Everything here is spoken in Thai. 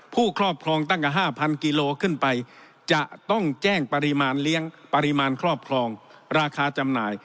ครอบครองตั้งแต่๕๐๐กิโลขึ้นไปจะต้องแจ้งปริมาณเลี้ยงปริมาณครอบครองราคาจำหน่าย